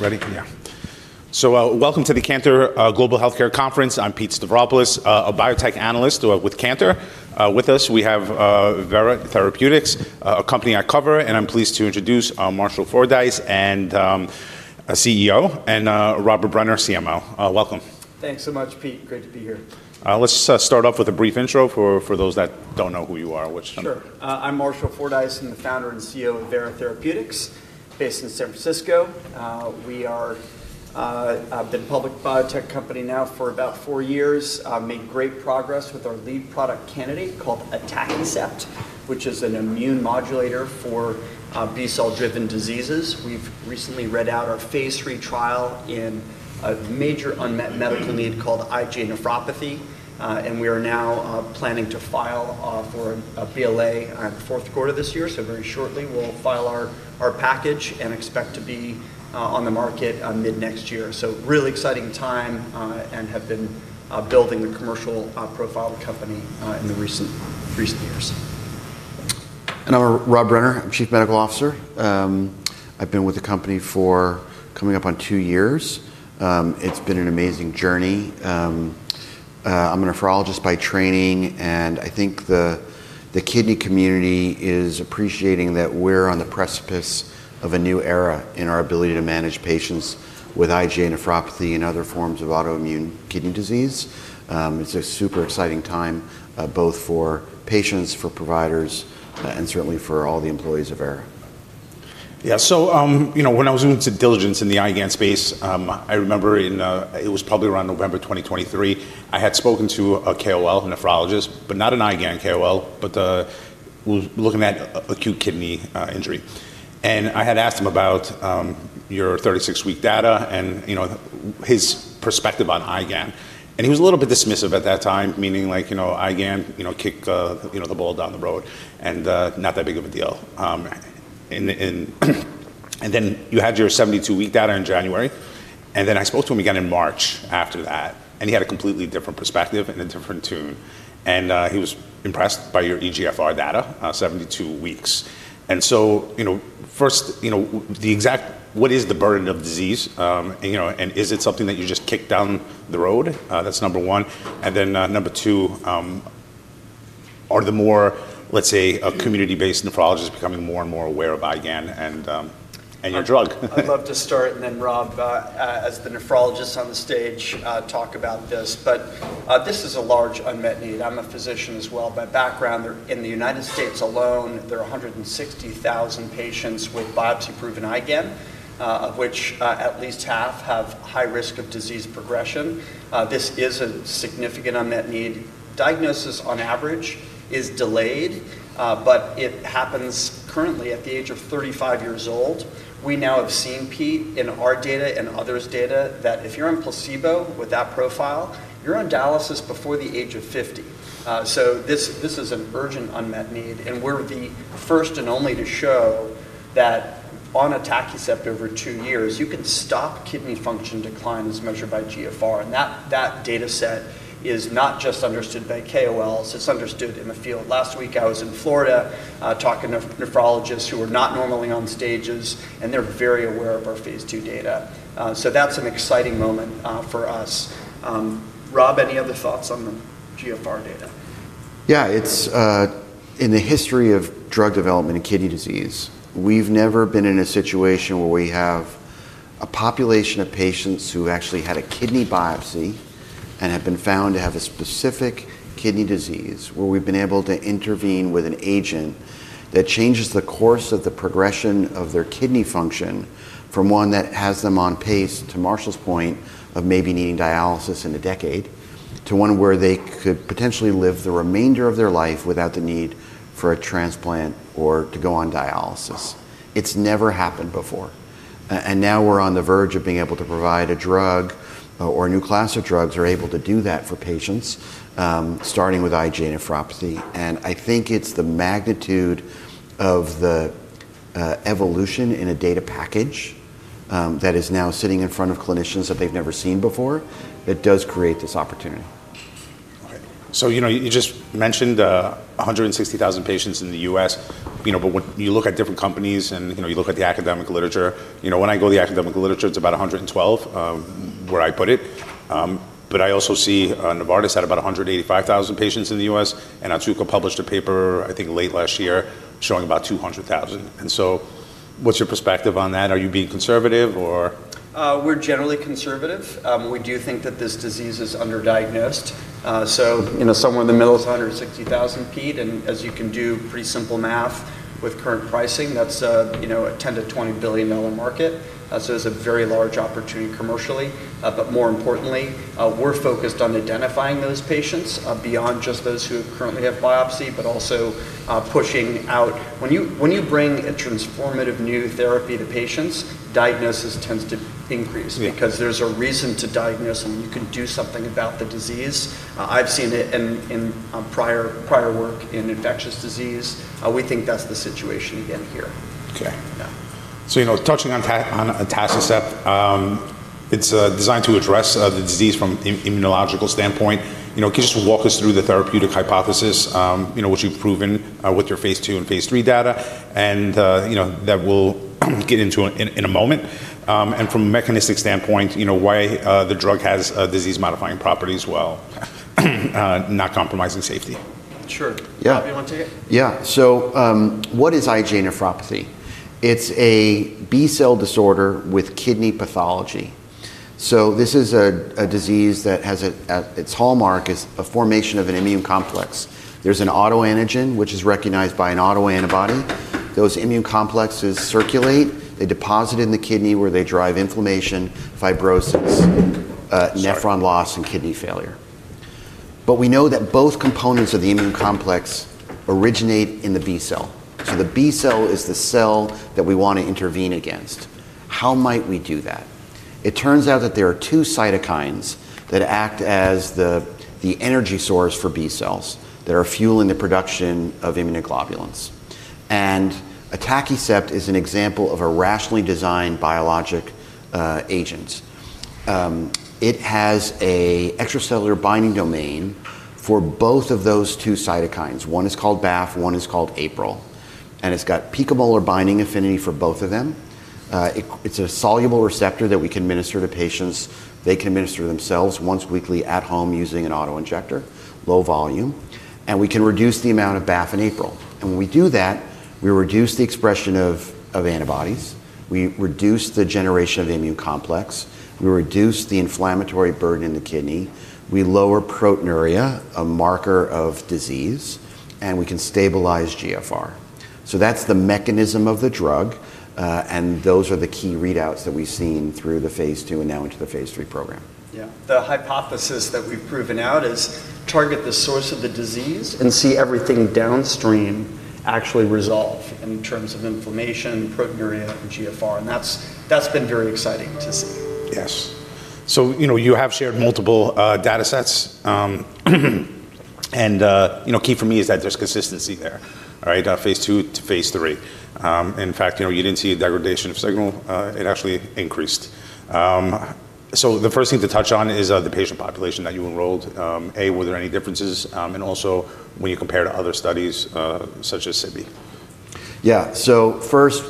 Ready? Yeah. So, welcome to the Cantor, Global Healthcare Conference. I'm Pete Stavropoulos, a biotech analyst with Cantor. With us, we have, Vera Therapeutics, a company I cover, and I'm pleased to introduce, Marshall Fordyce and CEO, and, Robert Brenner, CMO. Welcome. Thanks so much, Pete. Great to be here. Let's start off with a brief intro for for those that don't know who you are. What's number? I'm Marshall Fordyce. I'm the founder and CEO of Verra Therapeutics based in San Francisco. We are I've been a public biotech company now for about four years. Made great progress with our lead product candidate called Atacicept, which is an immune modulator for B cell driven diseases. We've recently read out our phase three trial in a major unmet medical need called IgA nephropathy, and we are now planning to file for a BLA at fourth quarter this year. So very shortly, we'll file our package and expect to be on the market mid next year. So really exciting time and have been building the commercial profile of the company in the recent years. And I'm Rob Brenner, I'm Chief Medical Officer. I've been with the company for coming up on two years. It's been an amazing journey. I'm a nephrologist by training and I think the kidney community is appreciating that we're on the precipice of a new era in our ability to manage patients with IgA nephropathy and other forms of autoimmune kidney disease. It's a super exciting time both for patients, for providers, and certainly for all the employees of Era. Yeah. So, you know, when I was doing due diligence in the IGAN space, I remember in, it was probably around November 2023, I had spoken to a KOL, a nephrologist, but not an IGAN KOL, but looking at acute kidney injury. And I had asked him about your thirty six week data and, you know, his perspective on IGAN. And he was a little bit dismissive at that time, meaning like, you know, IGAN, you know, kick the ball down the road and not that big of a deal. And and and then you had your seventy two week data in January. And then I spoke to him again in March after that, and he had a completely different perspective and a different tune. And he was impressed by your eGFR data, seventy two weeks. And so, you know, first, you know, the exact what is the burden of disease? You know? And is it something that you just kick down the road? That's number one. And then number two, are the more, let's say, a community based nephrologist becoming more and more aware of iGAN and and your drug? I'd love to start and then Rob, as the nephrologist on the stage, talk about this. But, this is a large unmet need. I'm a physician By background, in The United States alone, there are one hundred and sixty thousand patients with biopsy proven IGAN, of which at least half have high risk of disease progression. This is a significant unmet need. Diagnosis on average is delayed, but it happens currently at the age of 35 years old. We now have seen, Pete, in our data and others' data that if you're on placebo with that profile, you're on dialysis before the age of 50. So this is an urgent unmet need, and we're the first and only to show that on a TACCEPT over two years, you can stop kidney function declines measured by GFR, and that data set is not just understood by KOLs, it's understood in the field. Last week I was in Florida talking to nephrologists who were not normally on stages, and they're very aware of our Phase II data. So, that's an exciting moment for us. Rob, any other thoughts on the GFR data? Yeah, it's in the history of drug development in kidney disease, we've never been in a situation where we have a population of patients who actually had a kidney biopsy and have been found to have a specific kidney disease where we've been able to intervene with an agent that changes the course of the progression of their kidney function from one that has them on pace, to Marshall's point of maybe needing dialysis in a decade, to one where they could potentially live the remainder of their life without the need for a transplant or to go on dialysis. It's never happened before. And now we're on the verge of being able to provide a drug or a new class of drugs, are able to do that for patients, starting with IgA nephropathy. And I think it's the magnitude of the evolution in a data package that is now sitting in front of clinicians that they've never seen before that does create this opportunity. So, you know, you just mentioned 160,000 patients in The US, you know, but when you look at different companies and, you know, you look at the academic literature, you know, when I go to academic literature, it's about a 112, where I put it. But I also see, Novartis had about a 185,000 patients in The US, and Otsuka published a paper, I think late last year, showing about 200,000. And so, what's your perspective on that? Are you being conservative or? We're generally conservative. We do think that this disease is underdiagnosed. So, you know, somewhere in the middle is 160,000 feet, and as you can do pretty simple math with current pricing, that's, you know, a 10 to $20,000,000,000 market. So, it's a very large opportunity commercially, but more importantly, we're focused on identifying those patients beyond just those who currently have biopsy, but also pushing out. When you bring a transformative new therapy to patients, diagnosis tends to increase because there's a reason to diagnose and you can do something about the disease. I've seen it in prior work in infectious disease. We think that's the situation again here. Okay. So, you know, touching on entacacept, it's designed to address the disease from immunological standpoint. Can you just walk us through the therapeutic hypothesis, which you've proven with your phase two and phase three data? And that we'll get into in a moment. And from a mechanistic point, why the drug has disease modifying properties while not compromising safety. Sure. Bob, do want to take it? Yeah. So what is IgA nephropathy? It's a B cell disorder with kidney pathology. So this is a disease that has a its hallmark is a formation of an immune complex. There's an autoantigen which is recognized by an autoantibody. Those immune complexes circulate. They deposit in the kidney where they drive inflammation, fibrosis, nephron loss, and kidney failure. But we know that both components of the immune complex originate in the B cell. So the B cell is the cell that we want to intervene against. How might we do that? It turns out that there are two cytokines that act as the energy source for B cells that are fueling the production of immunoglobulins. A tachycept is an example of a rationally designed biologic agent. It has an extracellular binding domain for both of those two cytokines. One is called BAF, one is called APRIL, and it's got picomolar binding affinity for both of them. It's a soluble receptor that we can administer to patients. They can administer themselves once weekly at home using an auto injector, low volume and we can reduce the amount of BAF in April. And when we do that, we reduce the expression of antibodies, we reduce the generation of the immune complex, we reduce the inflammatory burden in the kidney, we lower proteinuria, a marker of disease, and we can stabilize GFR. So, that's the mechanism of the drug and those are the key readouts that we've seen through the phase two and now into the phase three program. Yeah. The hypothesis that we've proven out is target the source of the disease and see everything downstream actually resolve in terms of inflammation, proteinuria, and GFR. And that's that's been very exciting to see. Yes. So, you know, you have shared multiple data sets. And, you know, key for me is that there's consistency there. Alright? Phase two to phase three. In fact, you know, you didn't see a degradation of signal. It actually increased. So the first thing to touch on is, the patient population that you enrolled. A, were there any differences, and also when you compare to other studies, such as SIBI? Yes. So first,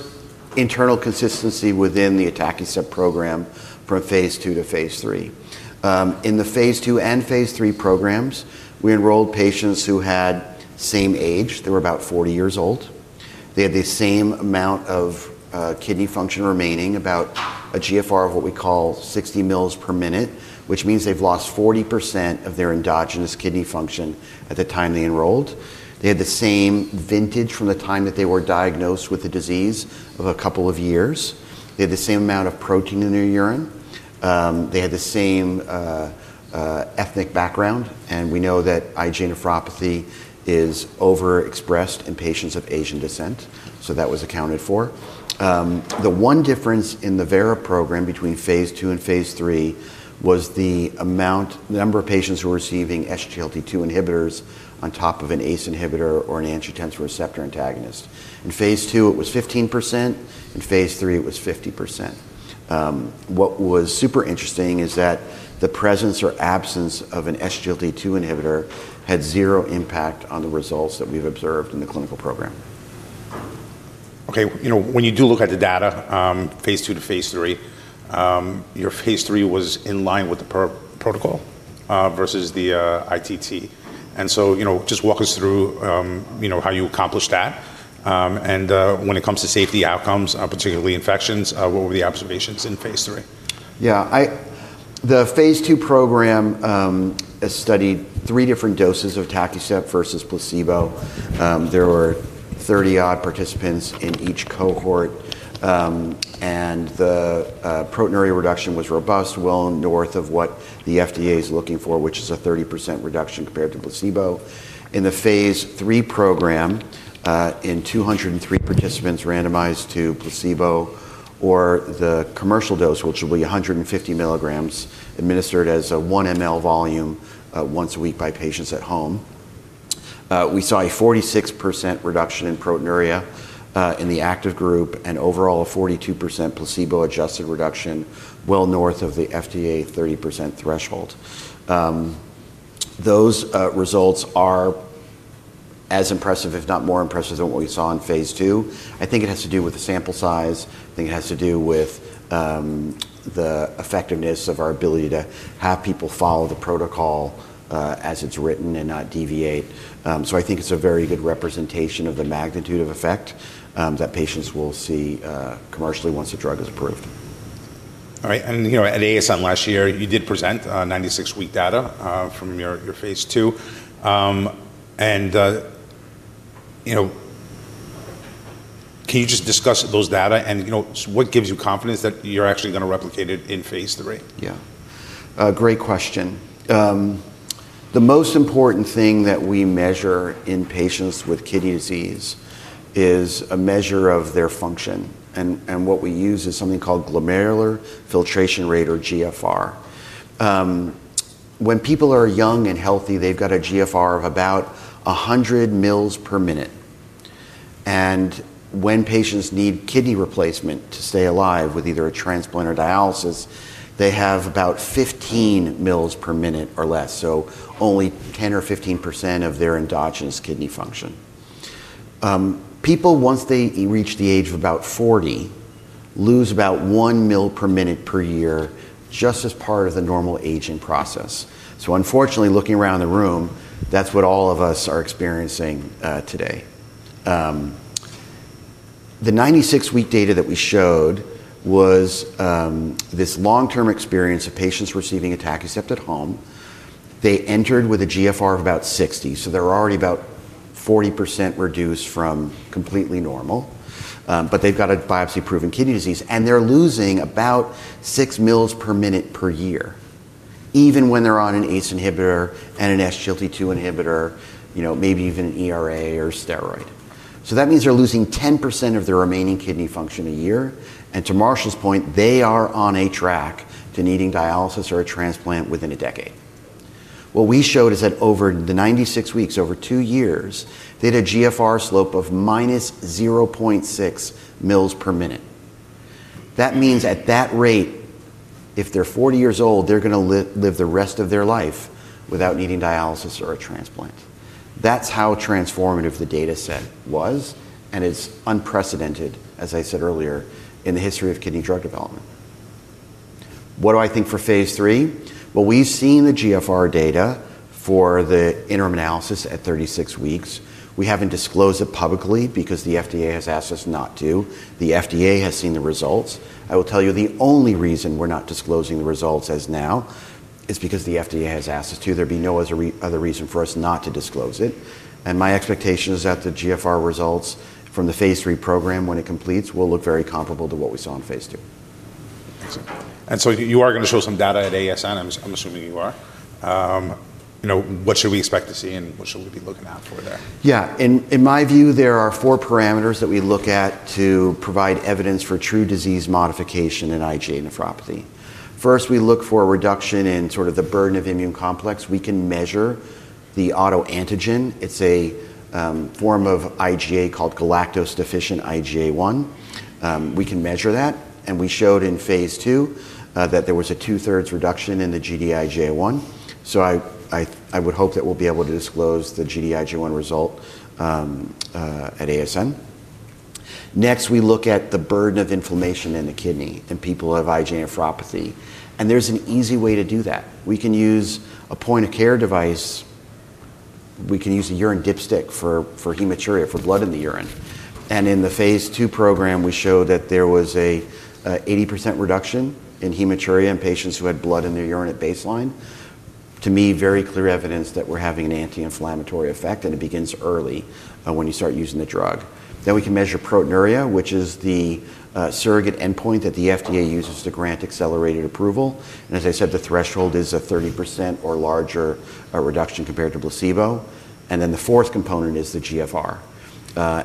internal consistency within the Atacicept program from Phase II to Phase III. In the Phase II and Phase III programs, we enrolled patients who had same age, they were about 40 years old. They had the same amount of, kidney function remaining, about a GFR of what we call 60 mls per minute, which means they've lost 40% of their endogenous kidney function at the time they enrolled. They had the same vintage from the time that they were diagnosed with the disease of a couple of years. They had the same amount of protein in their urine. They had the same ethnic background and we know that IgA nephropathy is overexpressed in patients of Asian descent, so that was accounted for. The one difference in the VERA program between Phase II and Phase III was the amount, the number of patients who were receiving SGLT2 inhibitors on top of an ACE inhibitor or an angiotensin receptor antagonist. In Phase II, it was fifteen percent. In Phase III, it was fifty percent. What was super interesting is that the presence absence of an SGLT2 inhibitor had zero impact on the results that we've observed in the clinical program. Okay. When you do look at the data, Phase II to Phase III, your Phase III was in line with the protocol versus the ITT. And so, you know, just walk us through, you know, how you accomplished that. And when it comes to safety outcomes, particularly infections, what were the observations in phase three? Yeah. I the phase two program, studied three different doses of TACCEPT versus placebo. There were 30 odd participants in each cohort, and the proteinuria reduction was robust, well north of what the FDA is looking for, which is a thirty percent reduction compared to placebo. In the Phase III program, in two zero three participants randomized to placebo or the commercial dose, will which be one hundred and fifty milligrams administered as a one ml volume, once a week by patients at home. We saw a forty six percent reduction in proteinuria, in the active group and overall a forty two percent placebo adjusted reduction, well north of the FDA thirty percent threshold. Those results are as impressive, if not more impressive than what we saw in Phase II. I think it has to do with the sample size, I think it has to do with the effectiveness of our ability to have people follow the protocol as it's written and not deviate. So I think it's a very good representation of the magnitude of effect that patients will see commercially once the drug is approved. Alright. And, you know, at ASM last year, you did present, ninety six week data, from your your phase two. And, you know, can you just discuss those data and, you know, what gives you confidence that you're actually gonna replicate it in phase three? Yeah. Great question. The most important thing that we measure in patients with kidney disease is a measure of their function. What we use is something called glomerular filtration rate or GFR. When people are young and healthy, they've got a GFR of about 100 mls per minute. And when patients need kidney replacement to stay alive with either a transplant or dialysis, they have about 15 mls per minute or less, so only 10 or 15% of their endogenous kidney function. People, once they reach the age of about 40, lose about one mlmin per year just as part of the normal aging process. So unfortunately, looking around the room, that's what all of us are experiencing today. The ninety six week data that we showed was this long term experience of patients receiving Atacucept at home. They entered with a GFR of about 60, so they're already about 40% reduced from completely normal, but they've got a biopsy proven kidney disease, and they're losing about six mls per minute per year, even when they're on an ACE inhibitor and an SGLT2 inhibitor, you know, maybe even an ERA or steroid. So that means they're losing 10% of their remaining kidney function a year, and to Marshall's point, they are on a track to needing dialysis or a transplant within a decade. What we showed is that over the ninety six weeks, over two years, they had a GFR slope of minus 0.6 mils per minute. That means at that rate, if they're 40 years old, they're going to live the rest of their life without needing dialysis or a transplant. That's how transformative the dataset was and is unprecedented, as I said earlier, in the history of kidney drug development. What do I think for phase three? Well, we've seen the GFR data for the interim analysis at thirty six weeks. We haven't disclosed it publicly because the FDA has asked us not to. The FDA has seen the results. I will tell you the only reason we're not disclosing the results as now is because the FDA has asked us to. There'd be no other reason for us not to disclose it. And my expectation is that the GFR results from the Phase III program, when it completes, will look very comparable to what we saw in Phase II. Excellent. And so you are going to show some data at ASN? I'm assuming you are. You know, what should we expect to see and what should we be looking out for there? Yeah. In in my view, there are four parameters that we look at to provide evidence for true disease modification in IgA nephropathy. First, we look for a reduction in sort of the burden of immune complex. We can measure the autoantigen. It's a form of IgA called Galactose Deficient IgA1. We can measure that and we showed in Phase II that there was a two thirds reduction in the GDiJ-one. So I would hope that we'll be able to disclose the GDiJ-one result at ASM. Next, we look at the burden of inflammation in the kidney in people who have IgA nephropathy, and there's an easy way to do that. We can use a point of care device. We can use a urine dipstick for hematuria, for blood in the urine. And in the Phase II program, we showed that there was an eighty percent reduction in hematuria in patients who had blood in their urine at baseline. To me, clear evidence that we're having an anti inflammatory effect and it begins early when you start using the drug. Then we can measure proteinuria, which is the surrogate endpoint that the FDA uses to grant accelerated approval. And as I said, the threshold is a 30% or larger reduction compared to placebo. And then the fourth component is the GFR.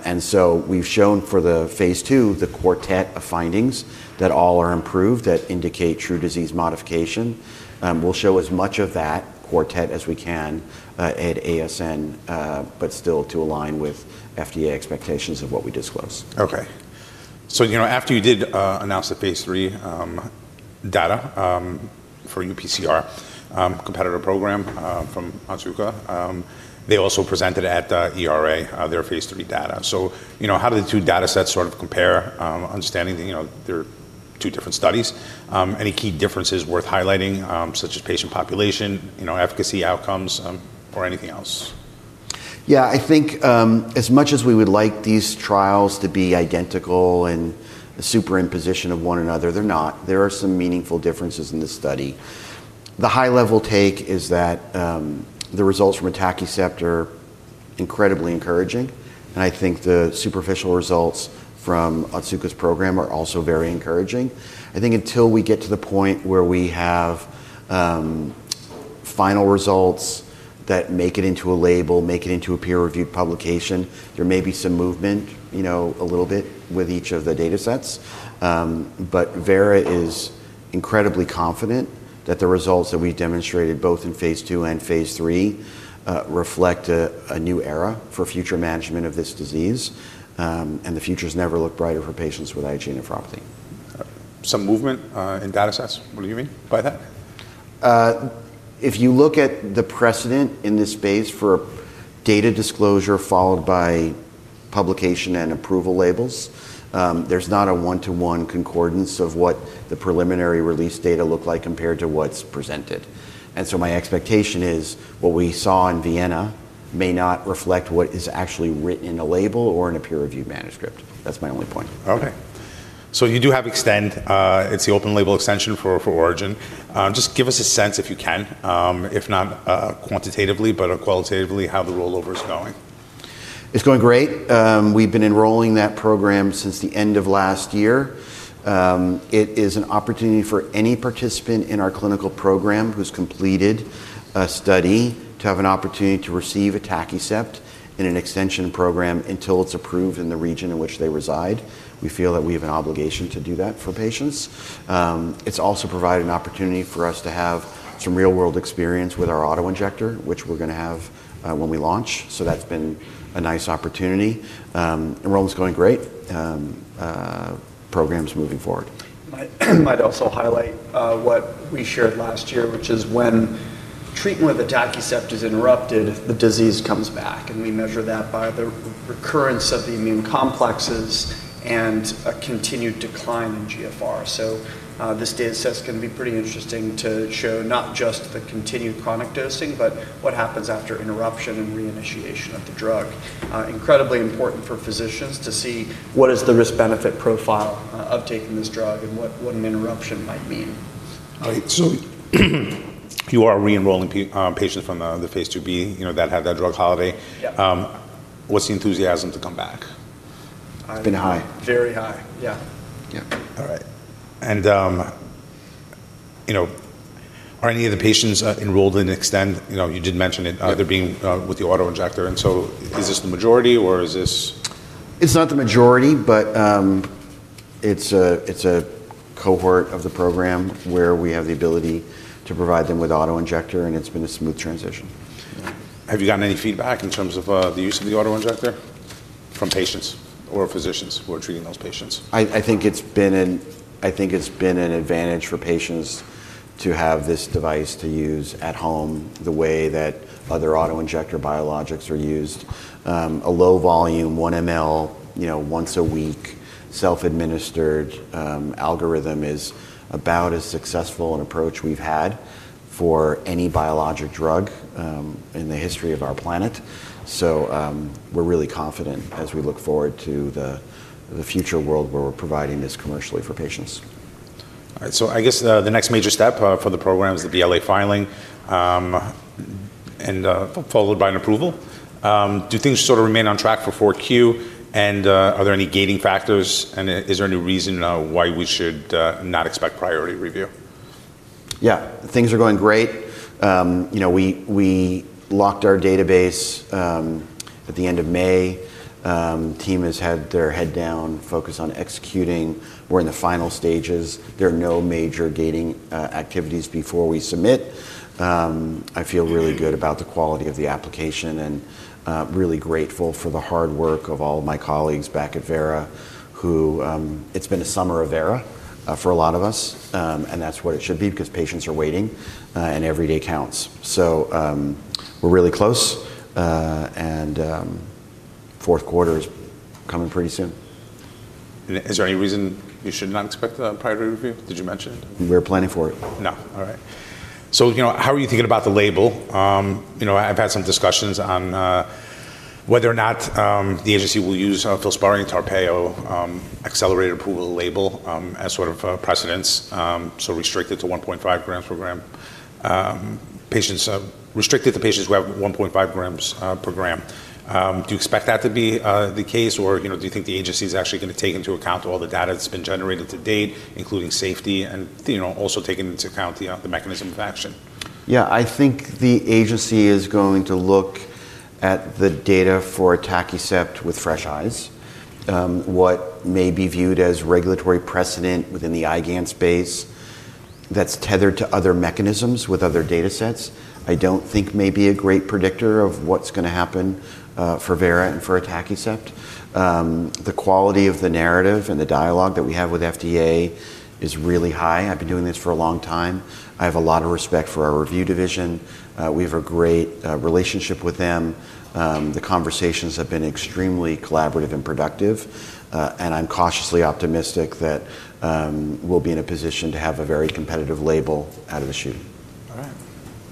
And so we've shown for the Phase II the quartet of findings that all are improved, that indicate true disease modification. We'll show as much of that quartet as we can at ASN, but still to align with FDA expectations of what we disclose. Okay. You know, after you did announce the phase three data for UPCR competitor program from Otsuka, they also presented at ERA their phase that that are in else? Yeah, I think as much as we would like these trials to be identical and superimposition of one another, they're not. There are some meaningful differences in this study. The high level take is that the results from a tachyceptor incredibly encouraging. And I think the superficial results from Otsuka's program are also very encouraging. I think until we get to the point where we have final results that make it into a label, make it into a peer reviewed publication. There may be some movement a little bit with each of the datasets. But Verra is incredibly confident that the results that we've demonstrated both in Phase II and Phase III reflect a new era for future management of this disease, and the future has never looked brighter for patients with IgA nephropathy. Some movement, in data sets. What do you mean by that? If you look at the precedent in this space for data disclosure followed by publication and approval labels, there's not a one to one concordance of what the preliminary release data look like compared to what's presented. And so my expectation is what we saw in Vienna may not reflect what is actually written in a label or in a peer reviewed manuscript. That's my only point. Okay. So you do have extend. It's the open label extension for for Origin. Just give us a sense if you can, if not quantitatively, but qualitatively how the rollover is going. It's going great. We've been enrolling that program since the end of last year. It is an opportunity for any participant in our clinical program who's completed a study to have an opportunity to receive a Tacicept in an extension program until it's approved in the region in which they reside. We feel that we have an obligation to do that for patients. It's also provided an opportunity for us to have some real world experience with our auto injector, which we're going to have when we launch. So that's been a nice opportunity. Enrollment is going great. Programs moving forward. I might also highlight what we shared last year, which is when treatment with a tachycept is interrupted, the disease comes back, and we measure that by the recurrence of the immune complexes and a continued decline in GFR. So this data set's gonna be pretty interesting to show not just the continued chronic dosing, but what happens after interruption and reinitiation of the drug. Incredibly important for physicians to see what is the risk benefit profile of taking this drug and what what an interruption might mean. Alright. So, you are re enrolling patients from the phase 2b, you know, that had that drug holiday. Yeah. What's the enthusiasm to come back? Been high. Very high. Yeah. Yeah. Alright. And, you know, are any of the patients enrolled in Xtend? You know, you did mention it either being with the auto injector. And so, is this the majority or is this It's not the majority, but it's a it's a cohort of the program where we have the ability to provide them with auto injector, and it's been a smooth transition. Have you gotten any feedback in terms of, the use of the auto injector from patients or physicians who are treating those patients? I think it's been an advantage for patients to have this device to use at home the way that other auto injector biologics are used. A low volume one ml once a week self administered, algorithm is about as successful an approach we've had for any biologic drug in the history of our planet. So we're really confident as we look forward to the future world where we're providing this commercially for patients. All right. So I guess the next major step, for the program is the BLA filing, and, followed by an approval. Do things sort of remain on track for 4Q? And, are there any gating factors? And is there any reason why we should, not expect priority review? Yeah. Things are going great. You know, we we locked our database at the May. Team has had their head down, focused on executing. We're in the final stages. There are no major gating activities before we submit. Feel really good about the quality of the application and really grateful for the hard work of all of my colleagues back at Verra who it's been a summer of Verra for a lot of us, and that's what it should be because patients are waiting and every day counts. So we're really close. And fourth quarter is coming pretty soon. Is there any reason you should not expect a priority review? Did you mention it? We're planning for it. No. All right. So, you know, how are you thinking about the label? You know, I've had some discussions on whether or not, the agency will use a filsparine tarpeo, accelerated approval label, as sort of precedence. So restricted to one point five grams per gram. Patients restricted to patients who have one point five grams per gram. Do you expect that to be the case? Or, you know, do you think the agency is actually going to take into account all the data that's been generated to date, including safety and, you know, also taking into account the mechanism of action? Yeah. I think the agency is going to look at the data for Atacicept with fresh eyes. What may be viewed as regulatory precedent within the IGAN space that's tethered to other mechanisms with other datasets, I don't think may be a great predictor of what's going to happen, for VERA and for ATACYCEPT. The quality of the narrative and the dialogue that we have with FDA is really high. I've been doing this for a long time. I have a lot of respect for our review division. We have a great relationship with them. The conversations have been extremely collaborative and productive, and I'm cautiously optimistic that, we'll be in a position to have a very competitive label out of the shoe. Right.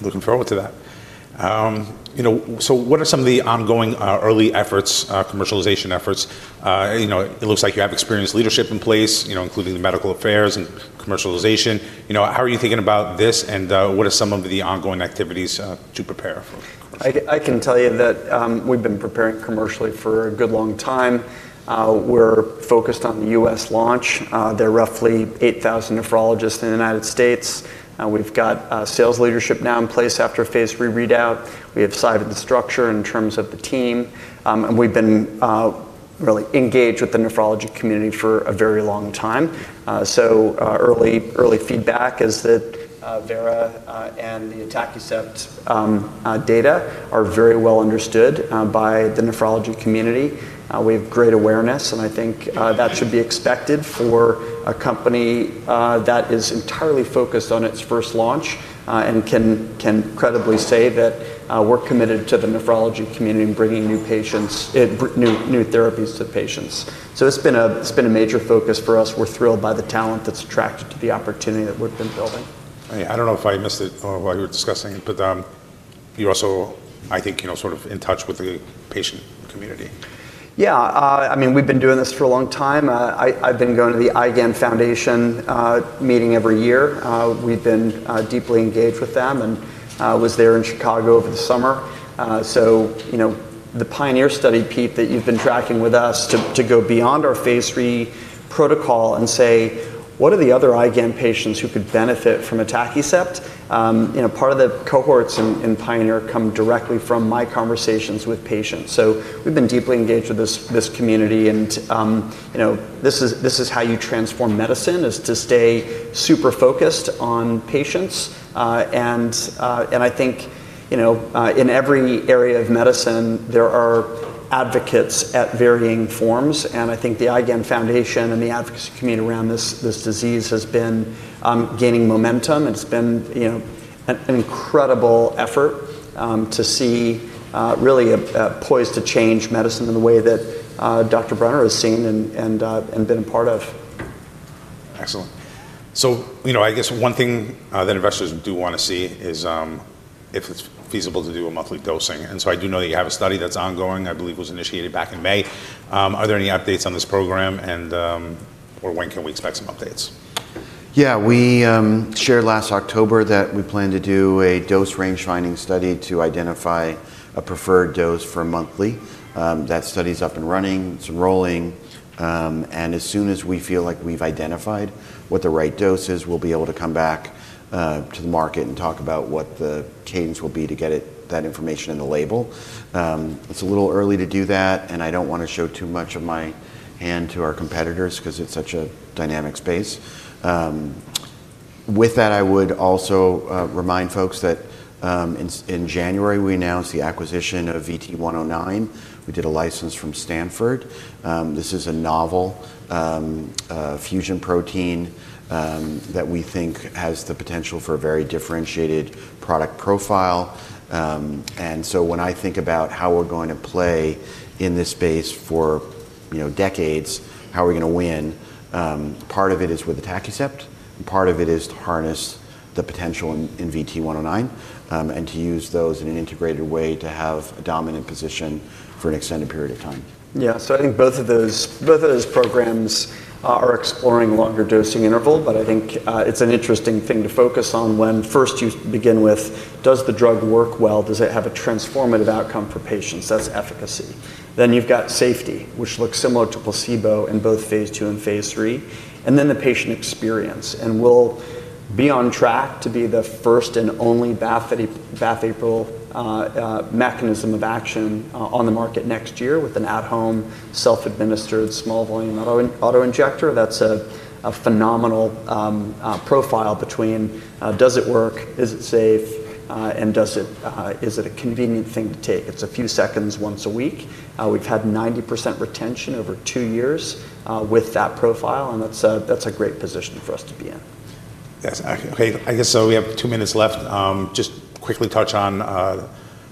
Looking forward to that. You know, so what are some of the ongoing early efforts, commercialization efforts? You know, it looks like you have experienced leadership in place, you know, including the medical affairs commercialization. You know, how are you thinking about this, and, what are some of the ongoing activities, to prepare for? I I can tell you that, we've been preparing commercially for a good long time. We're focused on The US launch. There are roughly 8,000 nephrologists in The United States. We've got sales leadership now in place after phase three readout. We have cited the structure in terms of the team, and we've been really engaged with the nephrology community for a very long time. So early early feedback is that, Vera and the Atacucept data are very well understood, by the nephrology community. We have great awareness, and I think that should be expected for a company, that is entirely focused on its first launch, and can can credibly say that, we're committed to the nephrology community and bringing new patients new new therapies to patients. So it's been a it's been a major focus for us. We're thrilled by the talent that's attracted to the opportunity that we've been building. I I don't know if I missed it or while you were discussing it, but you're also, I think, know, sort of in touch with the patient community. Yeah. I mean, we've been doing this for a long time. I I've been going to the IGAN Foundation, meeting every year. We've been, deeply engaged with them and, was there in Chicago over the summer. So, you know, the pioneer study, Pete, that you've been tracking with us to to go beyond our phase three protocol and say, what are the other IGAM patients who could benefit from Atacicept? You know, part of the cohorts in in PIONEER come directly from my conversations So we've been deeply engaged with this this community and, you know, this is this is how you transform medicine is to stay super focused on patients. And and I think, you know, in every area of medicine, there are advocates at varying forms, and I think the IGAN Foundation and the advocacy community around this this disease has been, gaining momentum. It's been, you know, an incredible effort to see, really poised to change medicine in the way that, doctor Brenner has seen and and, and been a part of. Excellent. So, you know, I guess one thing, that investors do wanna see is, if it's feasible to do a monthly dosing. And so I do know that you have a study that's ongoing. I believe it was initiated back in May. Are there any updates on this program? And, or when can we expect some updates? Yeah. We, shared last October that we plan to do a dose range finding study to identify a preferred dose for monthly. That study is up and running, it's enrolling. And as soon as we feel like we've identified what the right dose is, we'll be able to come back to the market and talk about what the cadence will be to get that information in the label. It's a little early to do that and I don't want to show too much of my hand to our competitors because it's such a dynamic space. With that, I would also remind folks that in January, we announced the acquisition of VT-one hundred nine. We did a license from Stanford. This is a novel fusion protein that we think has the potential for a very differentiated product profile. And so when I think about how we're going to play in this space for decades, how we're going to win, part of it is with the tachycept and part of it is to harness the potential in VT-one hundred nine and to use those in an integrated way to have a dominant position for an extended period of time. Yeah. So I think both of those programs are exploring longer dosing interval, I think it's an interesting thing to focus on when first you begin with, does the drug work well? Does it have a transformative outcome for patients? That's efficacy. Then you've got safety, which looks similar to placebo in both phase two and phase three, and then the patient experience, and we'll be on track to be the first and only mechanism of action on the market next year with an at home self administered small volume auto injector. That's a phenomenal profile between does it work, is it safe, and does it is it a convenient thing to take? It's a few seconds once a week. We've had 90% retention over two years with that profile, and that's a that's great position for us to be in. Yes. Okay. I guess so. We have two minutes left. Just quickly touch on,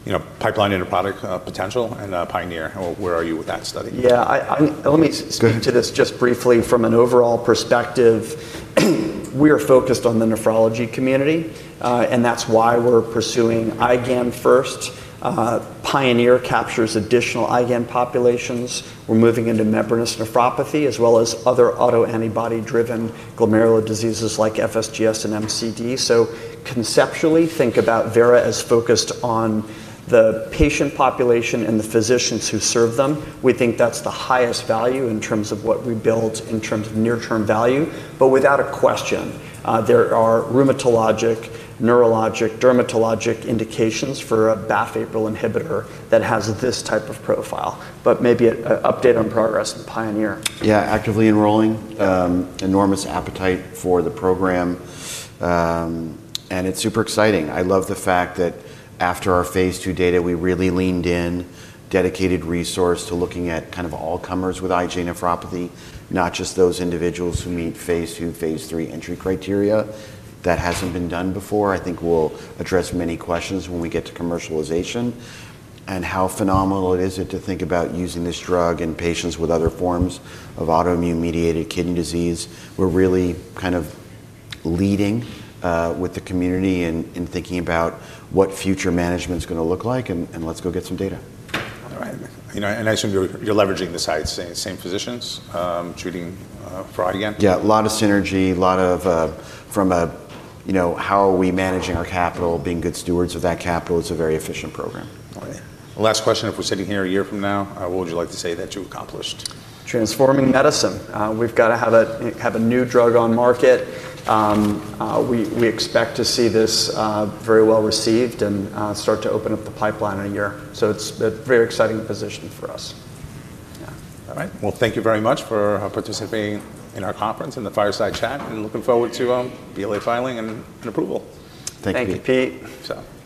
you know, pipeline interproduct potential and, PIONEER, where are you with that study? Yeah. I I let me speak to this just briefly. From an overall perspective, we are focused on the nephrology community, and that's why we're pursuing IgAN first. PIONEER captures additional IgAN populations. We're moving into membranous nephropathy as well as other autoantibody driven glomerular diseases like FSGS and MCD. So conceptually, think about Vera as focused on the patient population and the physicians who serve them. We think that's the highest value in terms of what we build in terms of near term value. But without a question, there are rheumatologic, neurologic, dermatologic indications for a BAF April inhibitor that has this type of profile. But maybe an update on progress in PIONEER. Yeah. Actively enrolling, enormous appetite for the program, and it's super exciting. I love the fact that after our Phase II data, really leaned in, dedicated resource to looking at kind of all comers with IgA nephropathy, not just those individuals who meet Phase II, Phase III entry criteria. That hasn't been done before. Think we'll address many questions when we get to commercialization and how phenomenal it is to think about using this drug in patients with other forms of autoimmune mediated kidney disease. We're really kind of leading, with the community and and thinking about what future management's gonna look like, and and let's go get some data. Alright. You know, and I assume you're you're leveraging the sites, same same physicians, treating, for audience? Yeah. A lot of synergy, a lot of, from a you know, how are we managing our capital, being good stewards of that capital. It's a very efficient program. Last question, if we're sitting here a year from now, what would you like to say that you accomplished? Transforming medicine. We've got to have a have a new drug on market. We expect to see this very well received and start to open up the pipeline in a year. So it's a very exciting position for us. All right. Well, thank you very much for participating in our conference and the fireside chat. And looking forward to BLA filing and approval. Thank you. Thank you, Pete. So Good.